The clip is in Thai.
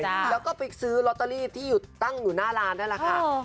แล้วก็ไปซื้อลอตเตอรี่ที่ตั้งอยู่หน้าร้านนั่นแหละค่ะ